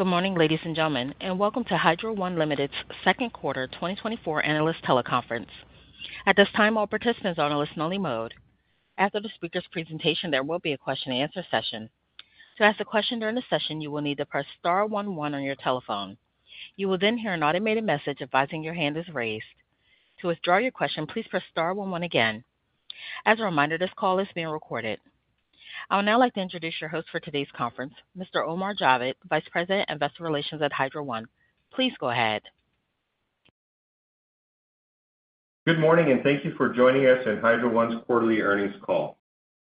Good morning, ladies and gentlemen, and welcome to Hydro One Limited's second quarter 2024 analyst teleconference. At this time, all participants are on a listen-only mode. After the speaker's presentation, there will be a question-and-answer session. To ask a question during the session, you will need to press star one one on your telephone. You will then hear an automated message advising your hand is raised. To withdraw your question, please press star one one again. As a reminder, this call is being recorded. I would now like to introduce your host for today's conference, Mr. Omar Javed, Vice President of Investor Relations at Hydro One. Please go ahead. Good morning, and thank you for joining us in Hydro One's quarterly earnings call.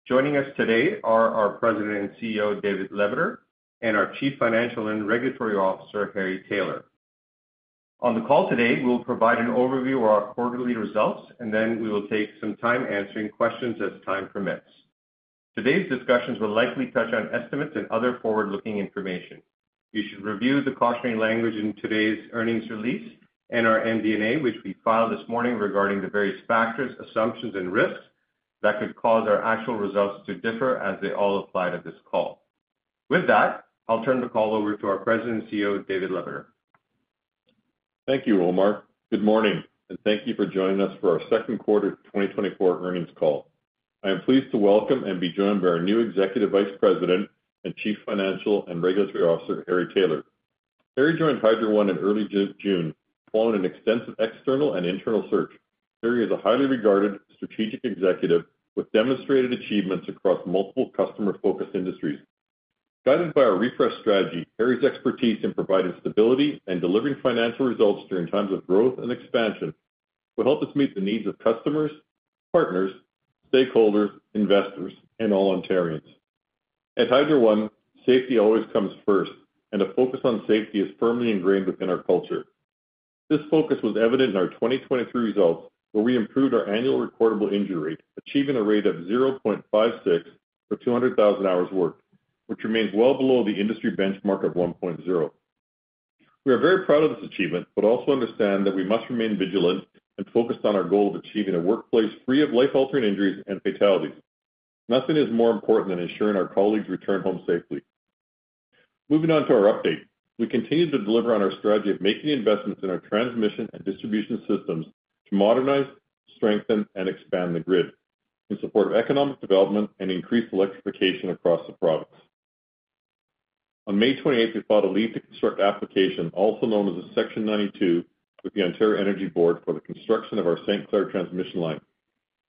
Joining us today are our President and CEO, David Lebeter, and our Chief Financial and Regulatory Officer, Harry Taylor. On the call today, we'll provide an overview of our quarterly results, and then we will take some time answering questions as time permits. Today's discussions will likely touch on estimates and other forward-looking information. You should review the cautionary language in today's earnings release and our MD&A, which we filed this morning regarding the various factors, assumptions and risks that could cause our actual results to differ as they all apply to this call. With that, I'll turn the call over to our President and CEO, David Lebeter. Thank you, Omar. Good morning, and thank you for joining us for our second quarter 2024 earnings call. I am pleased to welcome and be joined by our new Executive Vice President and Chief Financial and Regulatory Officer, Harry Taylor. Harry joined Hydro One in early June, following an extensive external and internal search. Harry is a highly regarded strategic executive with demonstrated achievements across multiple customer-focused industries. Guided by our refreshed strategy, Harry's expertise in providing stability and delivering financial results during times of growth and expansion will help us meet the needs of customers, partners, stakeholders, investors, and all Ontarians. At Hydro One, safety always comes first, and a focus on safety is firmly ingrained within our culture. This focus was evident in our 2023 results, where we improved our annual recordable injury rate, achieving a rate of 0.56 for 200,000 hours worked, which remains well below the industry benchmark of 1.0. We are very proud of this achievement, but also understand that we must remain vigilant and focused on our goal of achieving a workplace free of life-altering injuries and fatalities. Nothing is more important than ensuring our colleagues return home safely. Moving on to our update. We continue to deliver on our strategy of making investments in our transmission and distribution systems to modernize, strengthen, and expand the grid in support of economic development and increased electrification across the province. On May 28th, we filed a Leave to Construct application, also known as a Section 92, with the Ontario Energy Board for the construction of our St. Clair Transmission Line.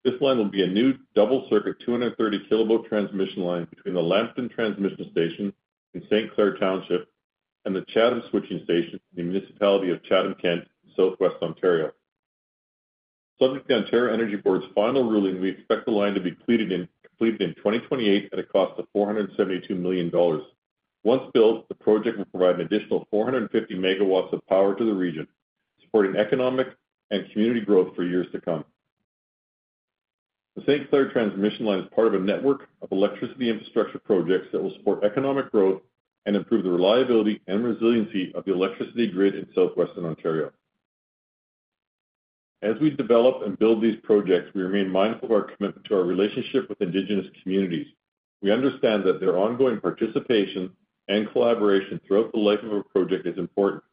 This line will be a new double-circuit, 230-kilovolt transmission line between the Lambton Transmission Station in St. Clair Township and the Chatham Switching Station in the municipality of Chatham-Kent, Southwestern Ontario. Subject to the Ontario Energy Board's final ruling, we expect the line to be completed in 2028 at a cost of 472 million dollars. Once built, the project will provide an additional 450 megawatts of power to the region, supporting economic and community growth for years to come. The St. Clair Transmission Line is part of a network of electricity infrastructure projects that will support economic growth and improve the reliability and resiliency of the electricity grid in Southwestern Ontario. As we develop and build these projects, we remain mindful of our commitment to our relationship with Indigenous communities. We understand that their ongoing participation and collaboration throughout the life of a project is important.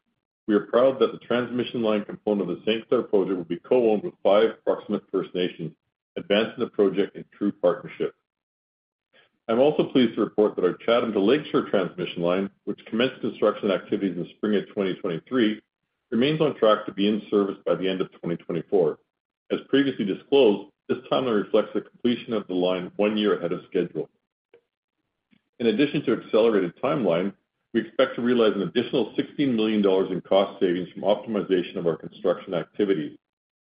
We are proud that the transmission line component of the St. Clair project will be co-owned with five proximate First Nations, advancing the project in true partnership. I'm also pleased to report that our Chatham to Lakeshore Transmission Line, which commenced construction activities in spring of 2023, remains on track to be in service by the end of 2024. As previously disclosed, this timeline reflects the completion of the line one year ahead of schedule. In addition to accelerated timeline, we expect to realize an additional 16 million dollars in cost savings from optimization of our construction activities.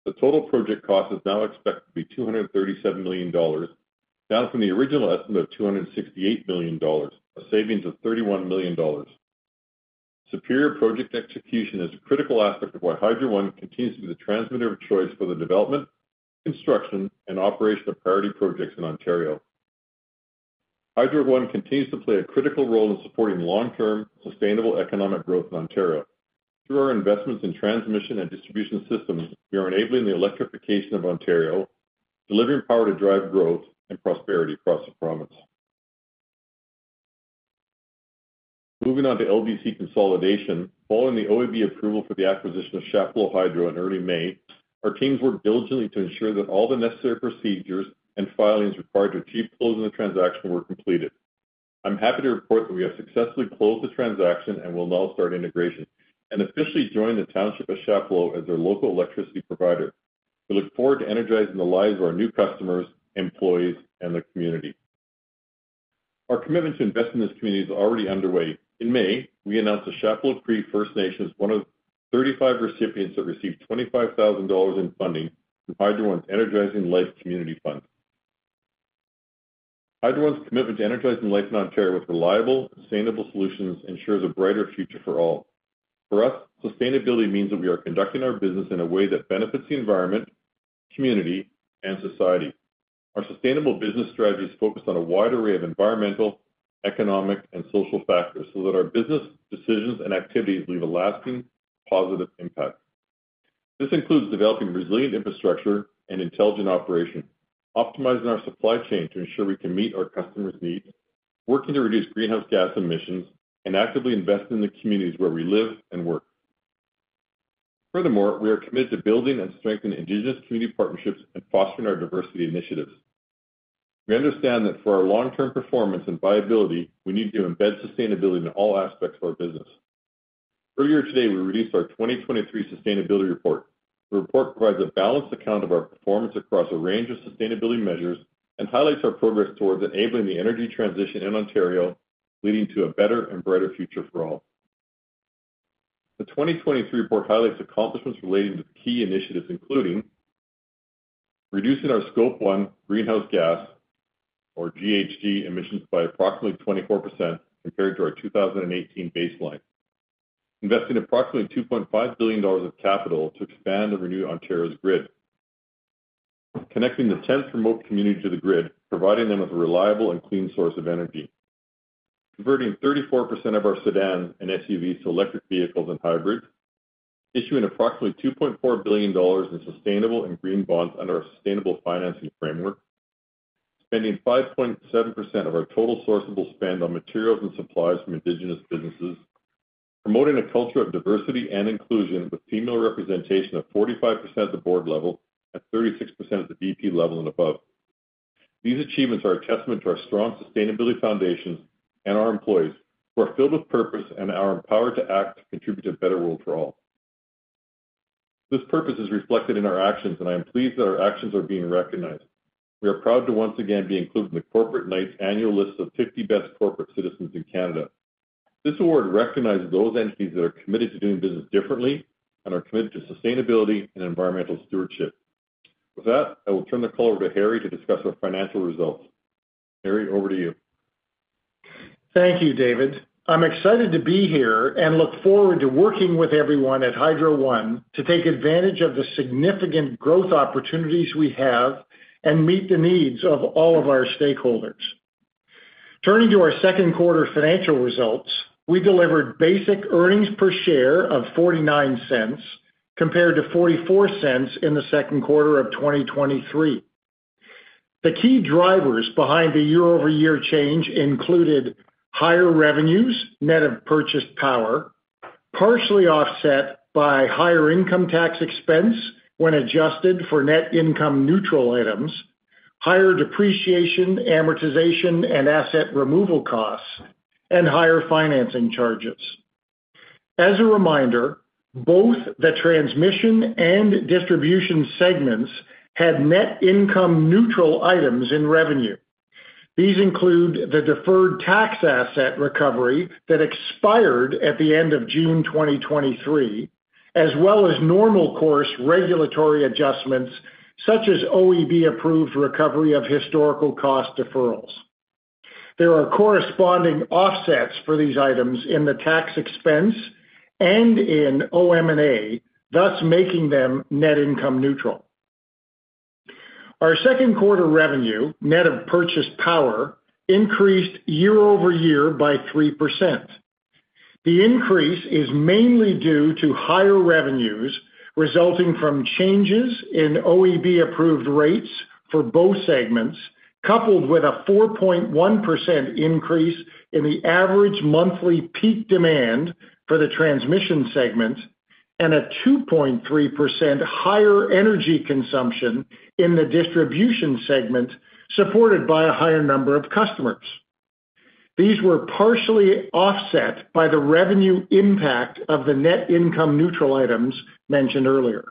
The total project cost is now expected to be 237 million dollars, down from the original estimate of 268 million dollars, a savings of 31 million dollars. Superior project execution is a critical aspect of why Hydro One continues to be the transmitter of choice for the development, construction and operation of priority projects in Ontario. Hydro One continues to play a critical role in supporting long-term, sustainable economic growth in Ontario. Through our investments in transmission and distribution systems, we are enabling the electrification of Ontario, delivering power to drive growth and prosperity across the province. Moving on to LDC consolidation. Following the OEB approval for the acquisition of Chapleau Hydro in early May, our teams worked diligently to ensure that all the necessary procedures and filings required to achieve closing the transaction were completed. I'm happy to report that we have successfully closed the transaction and will now start integration and officially join the township of Chapleau as their local electricity provider. We look forward to energizing the lives of our new customers, employees, and the community. Our commitment to invest in this community is already underway. In May, we announced the Chapleau Cree First Nation, one of 35 recipients that received CAD 25,000 in funding from Hydro One's Energizing Life Community Fund. Hydro One's commitment to energizing life in Ontario with reliable, sustainable solutions ensures a brighter future for all. For us, sustainability means that we are conducting our business in a way that benefits the environment, community, and society. Our sustainable business strategy is focused on a wide array of environmental, economic, and social factors, so that our business decisions and activities leave a lasting positive impact.... This includes developing resilient infrastructure and intelligent operation, optimizing our supply chain to ensure we can meet our customers' needs, working to reduce greenhouse gas emissions, and actively investing in the communities where we live and work. Furthermore, we are committed to building and strengthening Indigenous community partnerships and fostering our diversity initiatives. We understand that for our long-term performance and viability, we need to embed sustainability in all aspects of our business. Earlier today, we released our 2023 Sustainability Report. The report provides a balanced account of our performance across a range of sustainability measures and highlights our progress towards enabling the energy transition in Ontario, leading to a better and brighter future for all. The 2023 report highlights accomplishments relating to key initiatives, including: reducing our Scope 1 greenhouse gas (GHG) emissions by approximately 24% compared to our 2018 baseline, investing approximately 2.5 billion dollars of capital to expand and renew Ontario's grid, connecting the 10th remote community to the grid, providing them with a reliable and clean source of energy, converting 34% of our sedans and SUVs to electric vehicles and hybrids, issuing approximately 2.4 billion dollars in sustainable and green bonds under our Sustainable Financing Framework, spending 5.7% of our total sourceable spend on materials and supplies from Indigenous businesses, promoting a culture of diversity and inclusion, with female representation of 45% at the board level and 36% at the VP level and above. These achievements are a testament to our strong sustainability foundations and our employees, who are filled with purpose and are empowered to act to contribute to a better world for all. This purpose is reflected in our actions, and I am pleased that our actions are being recognized. We are proud to once again be included in the Corporate Knights Annual List of 50 Best Corporate Citizens in Canada. This award recognizes those entities that are committed to doing business differently and are committed to sustainability and environmental stewardship. With that, I will turn the call over to Harry to discuss our financial results. Harry, over to you. Thank you, David. I'm excited to be here and look forward to working with everyone at Hydro One to take advantage of the significant growth opportunities we have and meet the needs of all of our stakeholders. Turning to our second quarter financial results, we delivered basic earnings per share of 0.49, compared to 0.44 in the second quarter of 2023. The key drivers behind the year-over-year change included higher revenues, net of purchased power, partially offset by higher income tax expense when adjusted for net income neutral items, higher depreciation, amortization, and asset removal costs, and higher financing charges. As a reminder, both the transmission and distribution segments had net income-neutral items in revenue. These include the deferred tax asset recovery that expired at the end of June 2023, as well as normal course regulatory adjustments, such as OEB-approved recovery of historical cost deferrals. There are corresponding offsets for these items in the tax expense and in OM&A, thus making them net income neutral. Our second quarter revenue, net of purchased power, increased year-over-year by 3%. The increase is mainly due to higher revenues resulting from changes in OEB-approved rates for both segments, coupled with a 4.1% increase in the average monthly peak demand for the transmission segment and a 2.3% higher energy consumption in the distribution segment, supported by a higher number of customers. These were partially offset by the revenue impact of the net income-neutral items mentioned earlier.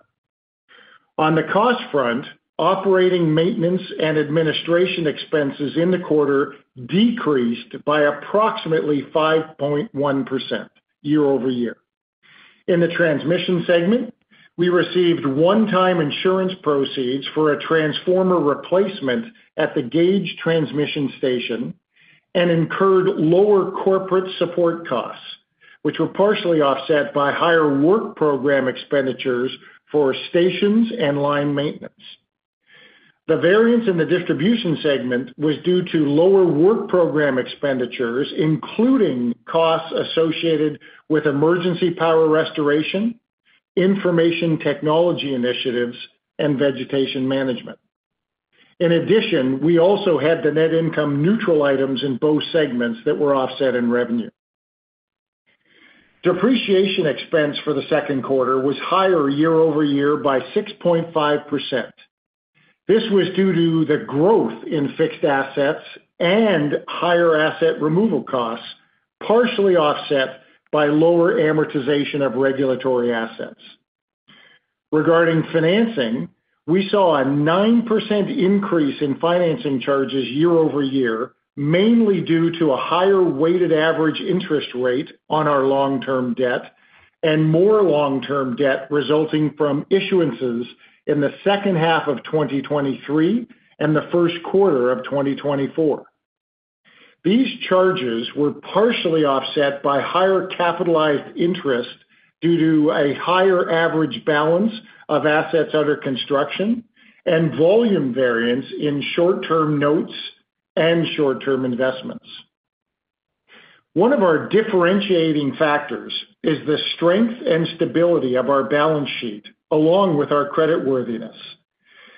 On the cost front, operating, maintenance, and administration expenses in the quarter decreased by approximately 5.1% year-over-year. In the transmission segment, we received one-time insurance proceeds for a transformer replacement at the Gage Transmission Station and incurred lower corporate support costs, which were partially offset by higher work program expenditures for stations and line maintenance. The variance in the distribution segment was due to lower work program expenditures, including costs associated with emergency power restoration, information technology initiatives, and vegetation management. In addition, we also had the net income neutral items in both segments that were offset in revenue. Depreciation expense for the second quarter was higher year-over-year by 6.5%. This was due to the growth in fixed assets and higher asset removal costs, partially offset by lower amortization of regulatory assets. Regarding financing, we saw a 9% increase in financing charges year-over-year, mainly due to a higher weighted average interest rate on our long-term debt and more long-term debt resulting from issuances in the second half of 2023 and the first quarter of 2024. These charges were partially offset by higher capitalized interest due to a higher average balance of assets under construction and volume variance in short-term notes and short-term investments. One of our differentiating factors is the strength and stability of our balance sheet, along with our creditworthiness.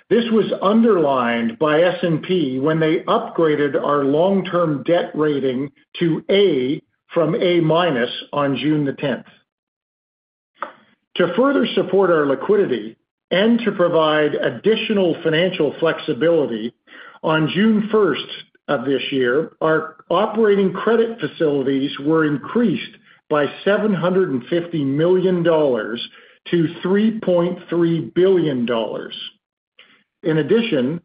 This was underlined by S&P when they upgraded our long-term debt rating to A from A- on June 10th. To further support our liquidity and to provide additional financial flexibility, on June 1st of this year, our operating credit facilities were increased by 750 million dollars to 3.3 billion dollars. In addition,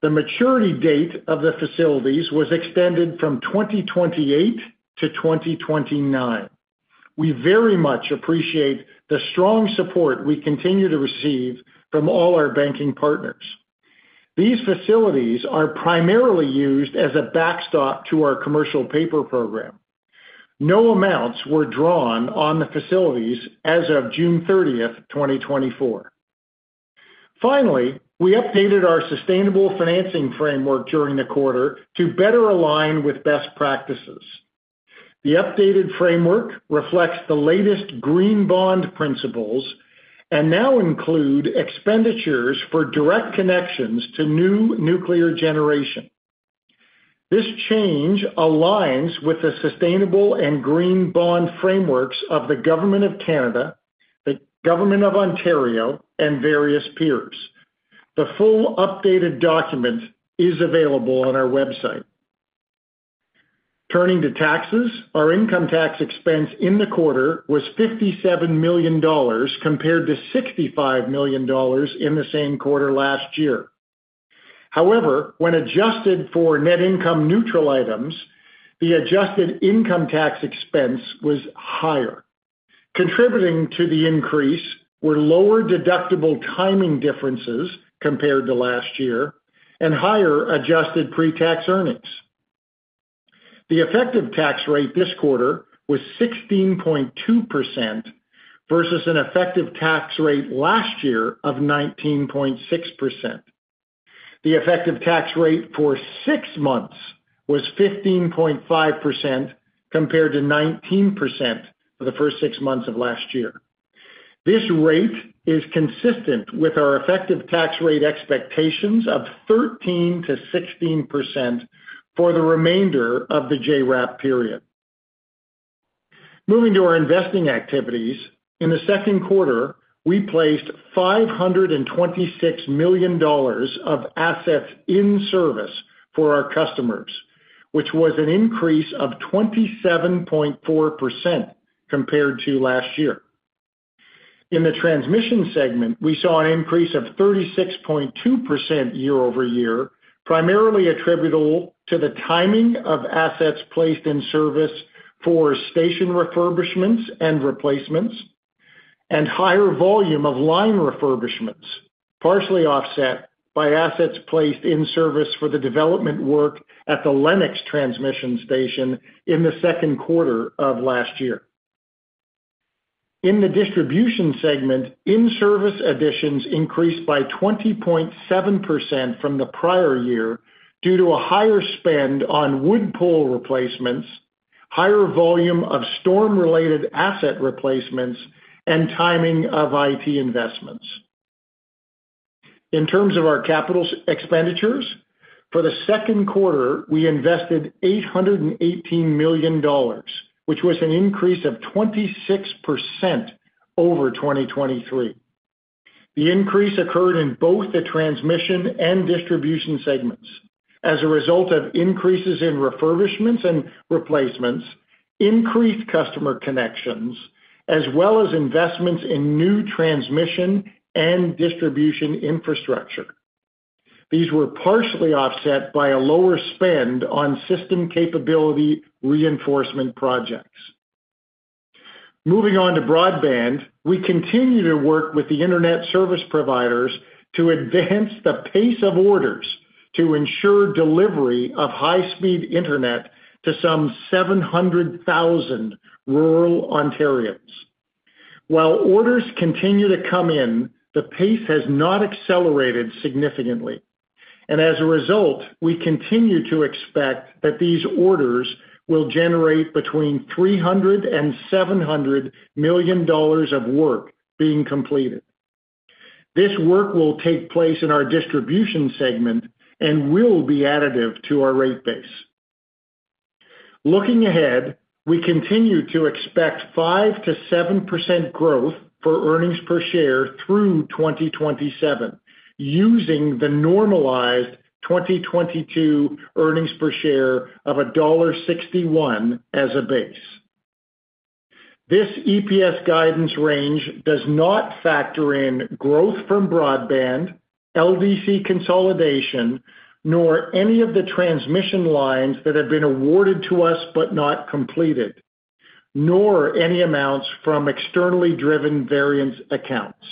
the maturity date of the facilities was extended from 2028 to 2029. We very much appreciate the strong support we continue to receive from all our banking partners. These facilities are primarily used as a backstop to our commercial paper program. No amounts were drawn on the facilities as of June 30, 2024. Finally, we updated our Sustainable Financing Framework during the quarter to better align with best practices. The updated framework reflects the latest Green Bond Principles and now include expenditures for direct connections to new nuclear generation. This change aligns with the sustainable and green bond frameworks of the Government of Canada, the Government of Ontario, and various peers. The full updated document is available on our website. Turning to taxes, our income tax expense in the quarter was 57 million dollars, compared to 65 million dollars in the same quarter last year. However, when adjusted for net income neutral items, the adjusted income tax expense was higher. Contributing to the increase were lower deductible timing differences compared to last year and higher adjusted pretax earnings. The effective tax rate this quarter was 16.2% versus an effective tax rate last year of 19.6%. The effective tax rate for six months was 15.5%, compared to 19% for the first six months of last year. This rate is consistent with our effective tax rate expectations of 13%-16% for the remainder of the JRAP period. Moving to our investing activities. In the second quarter, we placed 526 million dollars of assets in service for our customers, which was an increase of 27.4% compared to last year. In the transmission segment, we saw an increase of 36.2% year-over-year, primarily attributable to the timing of assets placed in service for station refurbishments and replacements, and higher volume of line refurbishments, partially offset by assets placed in service for the development work at the Lennox Transmission Station in the second quarter of last year. In the distribution segment, in-service additions increased by 20.7% from the prior year due to a higher spend on wood pole replacements, higher volume of storm-related asset replacements, and timing of IT investments. In terms of our capital expenditures, for the second quarter, we invested 818 million dollars, which was an increase of 26% over 2023. The increase occurred in both the transmission and distribution segments as a result of increases in refurbishments and replacements, increased customer connections, as well as investments in new transmission and distribution infrastructure. These were partially offset by a lower spend on system capability reinforcement projects. Moving on to broadband, we continue to work with the internet service providers to advance the pace of orders to ensure delivery of high-speed internet to some 700,000 rural Ontarians. While orders continue to come in, the pace has not accelerated significantly, and as a result, we continue to expect that these orders will generate between 300 million dollars and 700 million dollars of work being completed. This work will take place in our distribution segment and will be additive to our rate base. Looking ahead, we continue to expect 5%-7% growth for earnings per share through 2027, using the normalized 2022 earnings per share of dollar 1.61 as a base. This EPS guidance range does not factor in growth from broadband, LDC consolidation, nor any of the transmission lines that have been awarded to us but not completed, nor any amounts from externally driven variance accounts.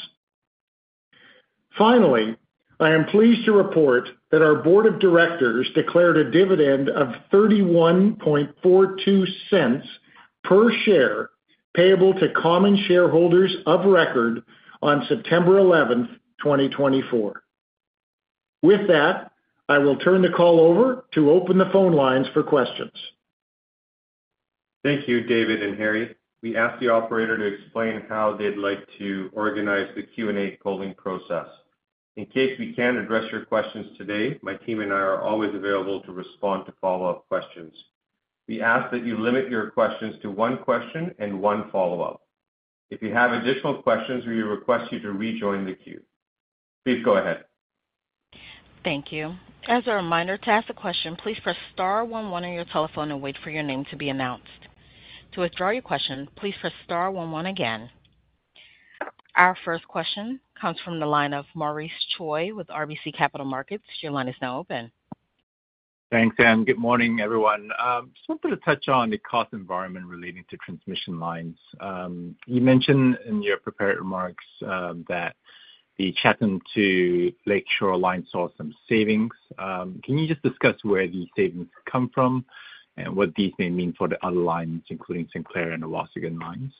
Finally, I am pleased to report that our board of directors declared a dividend of 0.3142 per share, payable to common shareholders of record on September eleventh, 2024. With that, I will turn the call over to open the phone lines for questions. Thank you, David and Harry. We ask the operator to explain how they'd like to organize the Q&A polling process. In case we can't address your questions today, my team and I are always available to respond to follow-up questions. We ask that you limit your questions to one question and one follow-up. If you have additional questions, we request you to rejoin the queue. Please go ahead. Thank you. As a reminder, to ask a question, please press star one one on your telephone and wait for your name to be announced. To withdraw your question, please press star one one again. Our first question comes from the line of Maurice Choy with RBC Capital Markets. Your line is now open. Thanks, Ann. Good morning, everyone. Just wanted to touch on the cost environment relating to transmission lines. You mentioned in your prepared remarks that the Chatham to Lakeshore line saw some savings. Can you just discuss where these savings come from and what these may mean for the other lines, including St. Clair and the Waasigan Lines?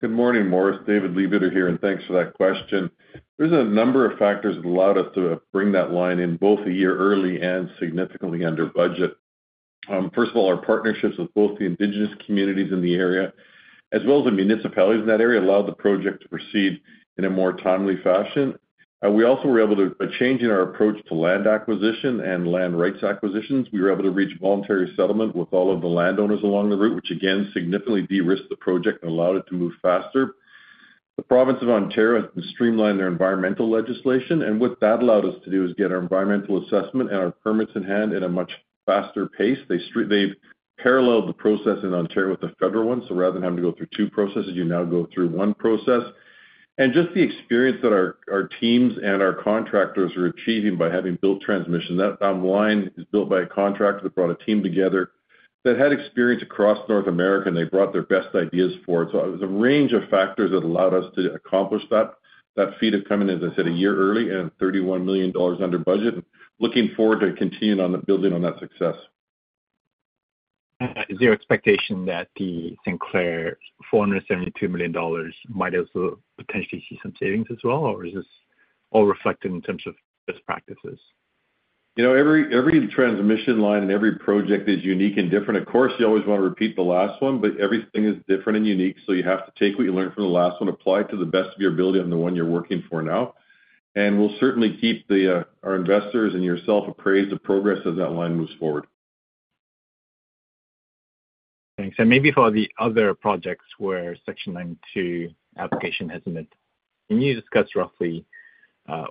Good morning, Maurice. David Lebeter here, and thanks for that question. There's a number of factors that allowed us to bring that line in both a year early and significantly under budget. First of all, our partnerships with both the Indigenous communities in the area, as well as the municipalities in that area, allowed the project to proceed in a more timely fashion. We also were able to by changing our approach to land acquisition and land rights acquisitions, we were able to reach voluntary settlement with all of the landowners along the route, which again, significantly de-risked the project and allowed it to move faster. The province of Ontario has streamlined their environmental legislation, and what that allowed us to do is get our environmental assessment and our permits in hand in a much faster pace. They've paralleled the process in Ontario with the federal one. So rather than having to go through two processes, you now go through one process. Just the experience that our teams and our contractors are achieving by having built transmission. That line is built by a contractor that brought a team together that had experience across North America, and they brought their best ideas forward. So it was a range of factors that allowed us to accomplish that. That feed is coming, as I said, a year early and 31 million dollars under budget. Looking forward to continuing on the building on that success. Is your expectation that the St. Clair 472 million dollars might also potentially see some savings as well, or is this all reflected in terms of best practices? You know, every transmission line and every project is unique and different. Of course, you always want to repeat the last one, but everything is different and unique, so you have to take what you learned from the last one, apply it to the best of your ability on the one you're working for now. And we'll certainly keep our investors and yourself appraised of progress as that line moves forward. Thanks. And maybe for the other projects where Section 92 application has been made, can you discuss roughly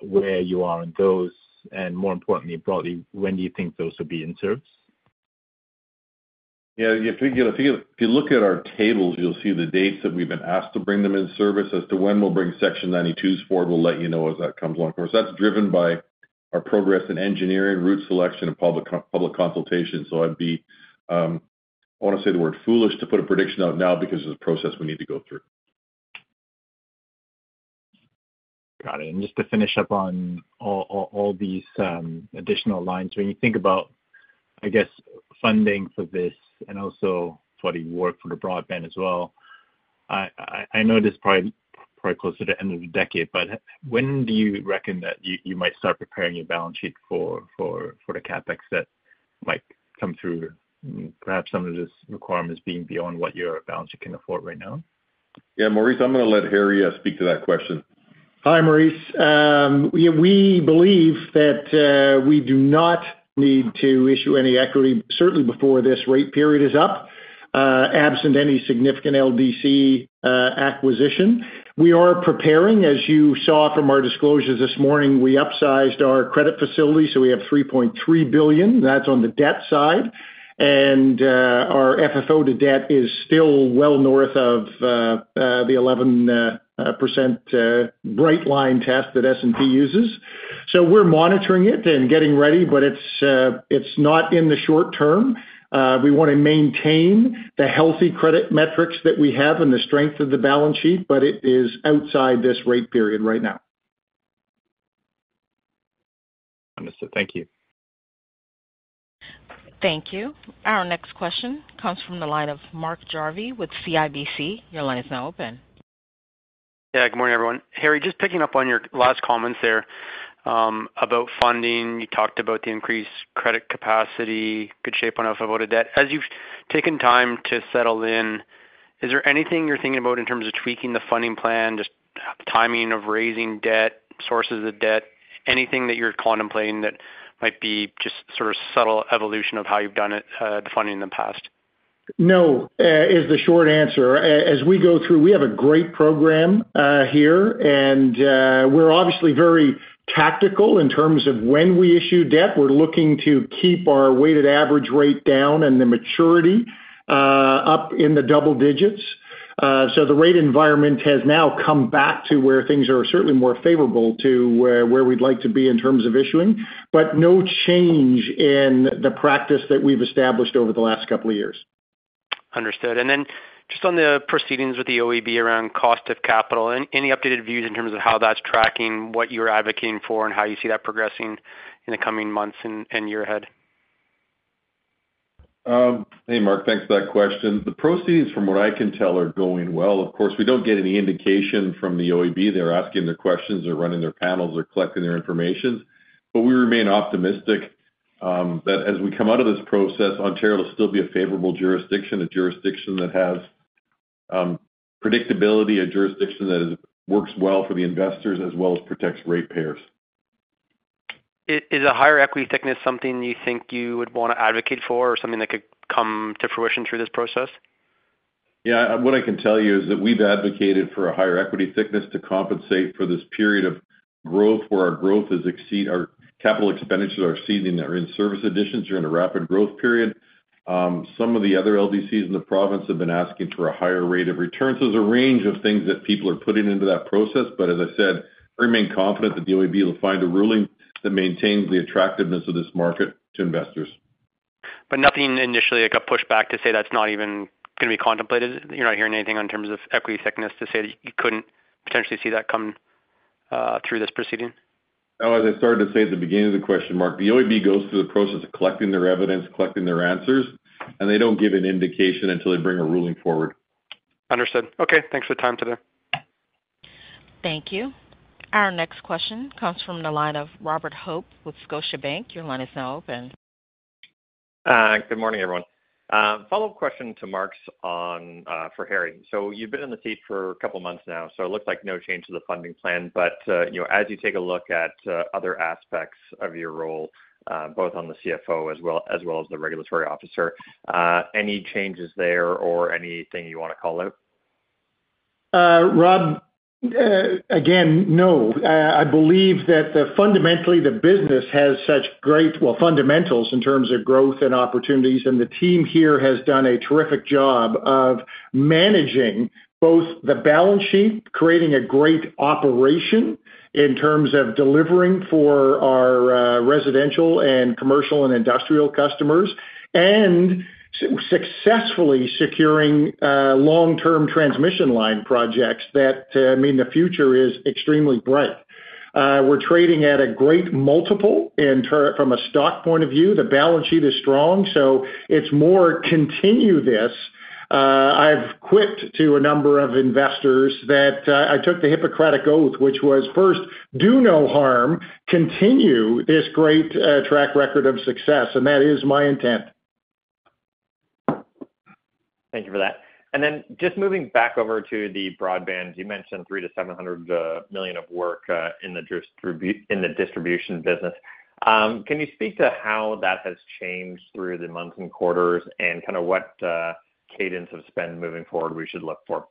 where you are in those, and more importantly, broadly, when do you think those will be in service? Yeah, if you look at our tables, you'll see the dates that we've been asked to bring them in service. As to when we'll bring Section 92s forward, we'll let you know as that comes along. Of course, that's driven by our progress in engineering, route selection, and public consultation. So I'd be, I want to say the word foolish, to put a prediction out now because of the process we need to go through. Got it. And just to finish up on all these additional lines. When you think about, I guess, funding for this and also for the work for the broadband as well, I know this is probably closer to the end of the decade, but when do you reckon that you might start preparing your balance sheet for the CapEx that might come through, perhaps some of this requirements being beyond what your balance sheet can afford right now? Yeah, Maurice, I'm going to let Harry speak to that question. Hi, Maurice. Yeah, we believe that we do not need to issue any equity, certainly before this rate period is up, absent any significant LDC acquisition. We are preparing, as you saw from our disclosures this morning, we upsized our credit facility, so we have 3.3 billion. That's on the debt side. Our FFO to debt is still well north of the 11% bright line test that S&P uses. We're monitoring it and getting ready, but it's not in the short term. We want to maintain the healthy credit metrics that we have and the strength of the balance sheet, but it is outside this rate period right now. Understood. Thank you. Thank you. Our next question comes from the line of Mark Jarvi with CIBC. Your line is now open. Yeah, good morning, everyone. Harry, just picking up on your last comments there, about funding. You talked about the increased credit capacity, good shape on offer about a debt. As you've taken time to settle in, is there anything you're thinking about in terms of tweaking the funding plan, just timing of raising debt, sources of debt, anything that you're contemplating that might be just sort of subtle evolution of how you've done it, the funding in the past? No, is the short answer. As we go through, we have a great program here, and we're obviously very tactical in terms of when we issue debt. We're looking to keep our weighted average rate down and the maturity up in the double digits. So the rate environment has now come back to where things are certainly more favorable to where we'd like to be in terms of issuing, but no change in the practice that we've established over the last couple of years. Understood. And then just on the proceedings with the OEB around cost of capital, any, any updated views in terms of how that's tracking, what you're advocating for, and how you see that progressing in the coming months and, and year ahead?... Hey, Mark, thanks for that question. The proceedings, from what I can tell, are going well. Of course, we don't get any indication from the OEB. They're asking their questions, they're running their panels, they're collecting their information. But we remain optimistic that as we come out of this process, Ontario will still be a favorable jurisdiction, a jurisdiction that has predictability, a jurisdiction that is, works well for the investors as well as protects ratepayers. Is a higher equity thickness something you think you would want to advocate for or something that could come to fruition through this process? Yeah, what I can tell you is that we've advocated for a higher equity thickness to compensate for this period of growth, where our growth has exceeded our capital expenditures are exceeding our in-service additions during a rapid growth period. Some of the other LDCs in the province have been asking for a higher rate of return. So there's a range of things that people are putting into that process, but as I said, we remain confident that the OEB will find a ruling that maintains the attractiveness of this market to investors. But nothing initially, like, a pushback to say that's not even going to be contemplated? You're not hearing anything in terms of equity thickness to say that you couldn't potentially see that come through this proceeding? No, as I started to say at the beginning of the question, Mark, the OEB goes through the process of collecting their evidence, collecting their answers, and they don't give an indication until they bring a ruling forward. Understood. Okay, thanks for the time today. Thank you. Our next question comes from the line of Robert Hope with Scotiabank. Your line is now open. Good morning, everyone. Follow-up question to Mark's on, for Harry. So you've been in the seat for a couple of months now, so it looks like no change to the funding plan. But, you know, as you take a look at, other aspects of your role, both on the CFO as well, as well as the regulatory officer, any changes there or anything you want to call out? Rob, again, no. I believe that fundamentally, the business has such great, well, fundamentals in terms of growth and opportunities, and the team here has done a terrific job of managing both the balance sheet, creating a great operation in terms of delivering for our residential and commercial and industrial customers, and successfully securing long-term transmission line projects that, I mean, the future is extremely bright. We're trading at a great multiple, and from a stock point of view, the balance sheet is strong, so it's more continue this. I've quipped to a number of investors that I took the Hippocratic Oath, which was, first, do no harm, continue this great track record of success, and that is my intent. Thank you for that. And then just moving back over to the broadband, you mentioned 300 million-700 million of work in the distribution business. Can you speak to how that has changed through the months and quarters and kind of what cadence of spend moving forward we should look for?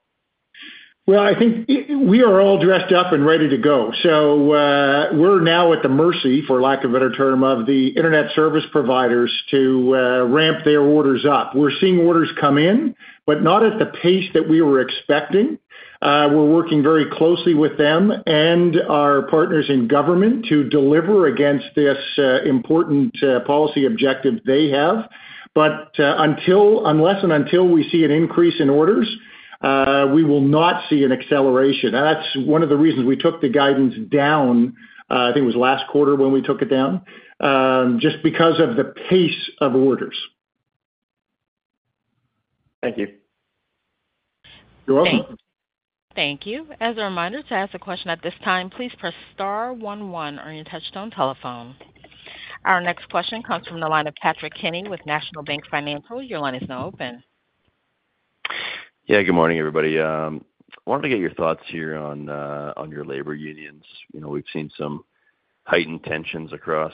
Well, I think we are all dressed up and ready to go. So, we're now at the mercy, for lack of a better term, of the internet service providers to ramp their orders up. We're seeing orders come in, but not at the pace that we were expecting. We're working very closely with them and our partners in government to deliver against this important policy objective they have. But, unless, and until we see an increase in orders, we will not see an acceleration. And that's one of the reasons we took the guidance down, I think it was last quarter when we took it down, just because of the pace of orders. Thank you. You're welcome. Thank you. As a reminder, to ask a question at this time, please press star one one on your touchtone telephone. Our next question comes from the line of Patrick Kenny with National Bank Financial. Your line is now open. Yeah, good morning, everybody. Wanted to get your thoughts here on your labor unions. You know, we've seen some heightened tensions across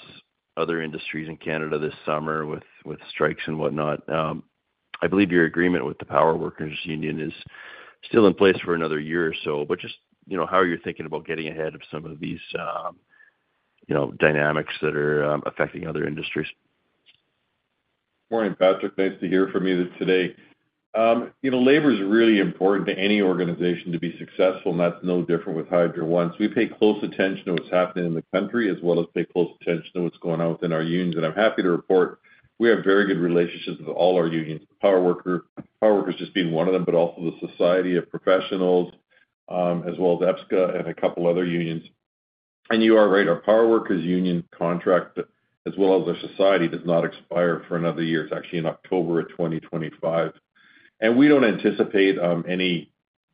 other industries in Canada this summer with strikes and whatnot. I believe your agreement with the Power Workers' Union is still in place for another year or so, but just, you know, how are you thinking about getting ahead of some of these, you know, dynamics that are affecting other industries? Morning, Patrick. Nice to hear from you today. You know, labor is really important to any organization to be successful, and that's no different with Hydro One. So we pay close attention to what's happening in the country, as well as pay close attention to what's going on within our unions. And I'm happy to report we have very good relationships with all our unions, the Power Workers just being one of them, but also the Society of Professionals, as well as EPSCA and a couple other unions. And you are right, our Power Workers Union contract, as well as their society, does not expire for another year. It's actually in October of 2025. And we don't anticipate.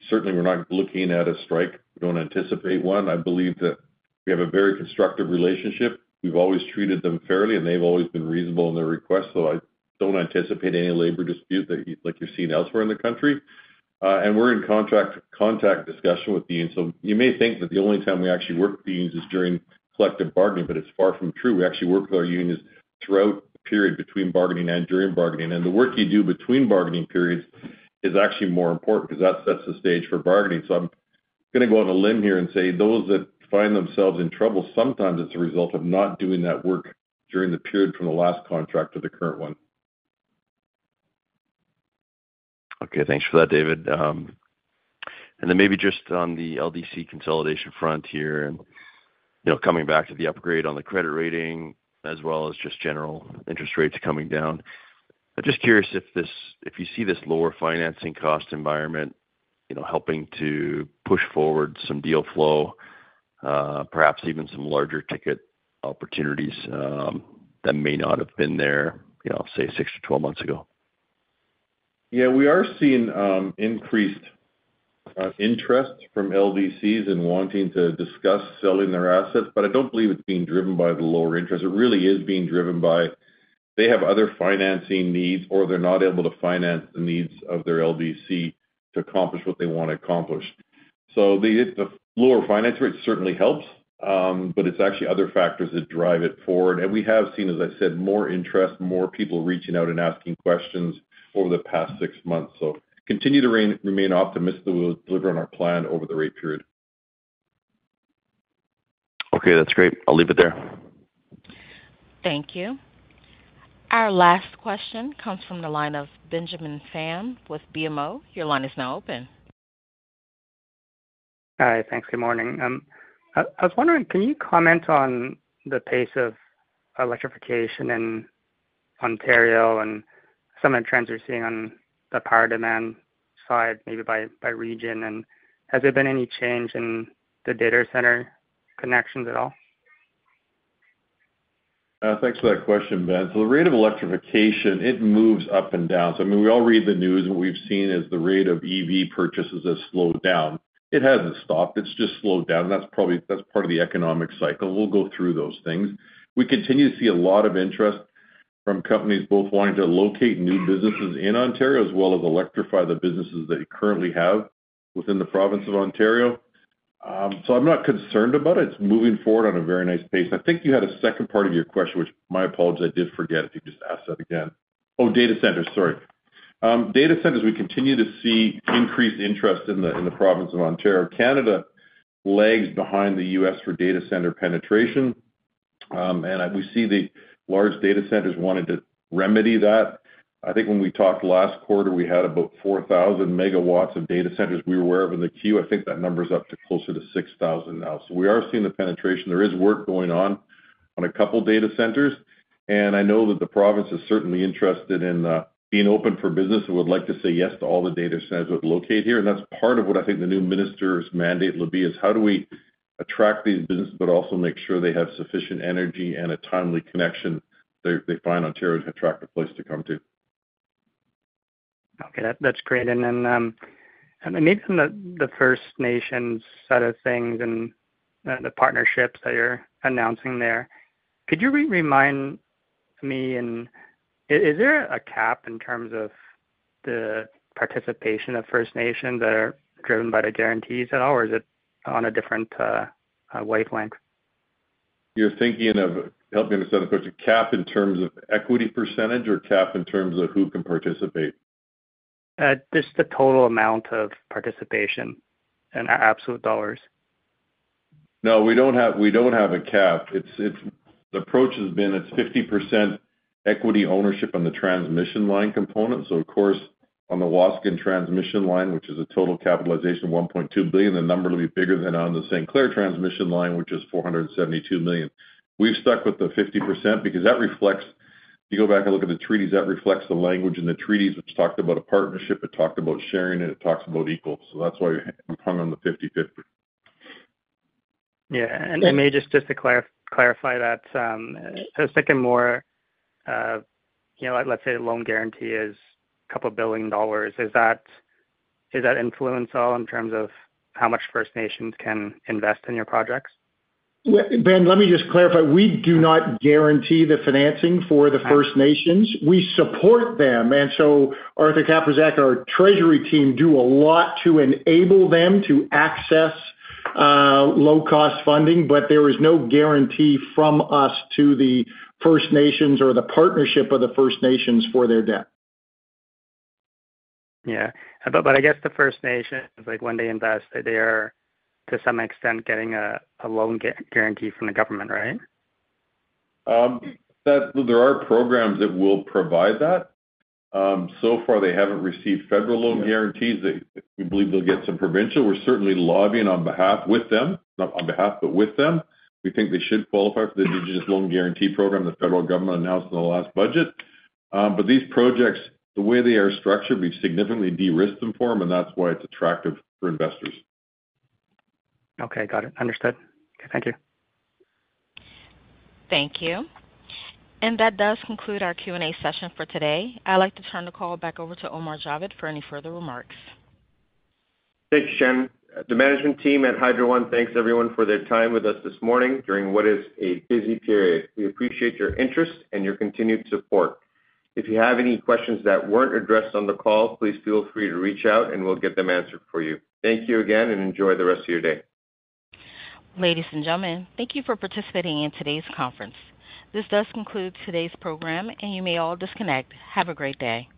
Certainly, we're not looking at a strike. We don't anticipate one. I believe that we have a very constructive relationship. We've always treated them fairly, and they've always been reasonable in their requests, so I don't anticipate any labor dispute like you're seeing elsewhere in the country. And we're in contract discussion with the unions. So you may think that the only time we actually work with the unions is during collective bargaining, but it's far from true. We actually work with our unions throughout the period between bargaining and during bargaining. And the work you do between bargaining periods is actually more important because that sets the stage for bargaining. So I'm going to go on a limb here and say those that find themselves in trouble, sometimes it's a result of not doing that work during the period from the last contract to the current one. Okay, thanks for that, David. And then maybe just on the LDC consolidation front here, and, you know, coming back to the upgrade on the credit rating as well as just general interest rates coming down. I'm just curious if you see this lower financing cost environment-... you know, helping to push forward some deal flow, perhaps even some larger ticket opportunities, that may not have been there, you know, say, 6-12 months ago? Yeah, we are seeing increased interest from LDCs in wanting to discuss selling their assets, but I don't believe it's being driven by the lower interest. It really is being driven by, they have other financing needs, or they're not able to finance the needs of their LDC to accomplish what they want to accomplish. So the lower finance rate certainly helps, but it's actually other factors that drive it forward. And we have seen, as I said, more interest, more people reaching out and asking questions over the past six months. So continue to remain optimistic that we'll deliver on our plan over the rate period. Okay, that's great. I'll leave it there. Thank you. Our last question comes from the line of Benjamin Pham with BMO. Your line is now open. Hi, thanks. Good morning. I was wondering, can you comment on the pace of electrification in Ontario and some of the trends you're seeing on the power demand side, maybe by region? And has there been any change in the data center connections at all? Thanks for that question, Ben. So the rate of electrification, it moves up and down. So I mean, we all read the news, and what we've seen is the rate of EV purchases has slowed down. It hasn't stopped, it's just slowed down, and that's probably, that's part of the economic cycle. We'll go through those things. We continue to see a lot of interest from companies both wanting to locate new businesses in Ontario, as well as electrify the businesses they currently have within the province of Ontario. So I'm not concerned about it. It's moving forward on a very nice pace. I think you had a second part of your question, which my apologies, I did forget. If you could just ask that again. Oh, data centers, sorry. Data centers, we continue to see increased interest in the province of Ontario. Canada lags behind the U.S. for data center penetration, and we see the large data centers wanting to remedy that. I think when we talked last quarter, we had about 4,000 MW of data centers we were aware of in the queue. I think that number is up to closer to 6,000 now. So we are seeing the penetration. There is work going on on a couple data centers, and I know that the province is certainly interested in being open for business and would like to say yes to all the data centers that locate here. And that's part of what I think the new minister's mandate will be is: How do we attract these businesses, but also make sure they have sufficient energy and a timely connection they find Ontario is an attractive place to come to? Okay, that, that's great. And then, and then maybe from the, the First Nations side of things and the, the partnerships that you're announcing there, could you re-remind me, and is, is there a cap in terms of the participation of First Nations that are driven by the guarantees at all, or is it on a different, wavelength? You're thinking of... Help me understand the question. Cap in terms of equity percentage or cap in terms of who can participate? Just the total amount of participation in absolute dollars. No, we don't have, we don't have a cap. It's, it's – the approach has been it's 50% equity ownership on the transmission line component. So of course, on the Waasigan Transmission Line, which is a total capitalization of 1.2 billion, the number will be bigger than on the St. Clair Transmission Line, which is 472 million. We've stuck with the 50% because that reflects, if you go back and look at the treaties, that reflects the language in the treaties, which talked about a partnership, it talked about sharing it, it talks about equal. So that's why we've hung on the 50/50. Yeah. And may I just to clarify that, so, you know, let's say the loan guarantee is 2 billion dollars. Is that influence at all in terms of how much First Nations can invest in your projects? Well, Ben, let me just clarify. We do not guarantee the financing for the First Nations. We support them, and so Arthur Kacprzak, our treasury team, do a lot to enable them to access low-cost funding, but there is no guarantee from us to the First Nations or the partnership of the First Nations for their debt. Yeah. But I guess the First Nations, like, when they invest, they are, to some extent, getting a loan guarantee from the government, right? That there are programs that will provide that. So far, they haven't received federal loan guarantees. They, we believe they'll get some provincial. We're certainly lobbying on behalf, with them. Not on behalf, but with them. We think they should qualify for the Indigenous Loan Guarantee Program the federal government announced in the last budget. But these projects, the way they are structured, we've significantly de-risked them for them, and that's why it's attractive for investors. Okay, got it. Understood. Okay, thank you. Thank you. That does conclude our Q&A session for today. I'd like to turn the call back over to Omar Javed for any further remarks. Thanks, Ann. The management team at Hydro One thanks everyone for their time with us this morning during what is a busy period. We appreciate your interest and your continued support. If you have any questions that weren't addressed on the call, please feel free to reach out, and we'll get them answered for you. Thank you again, and enjoy the rest of your day. Ladies and gentlemen, thank you for participating in today's conference. This does conclude today's program, and you may all disconnect. Have a great day.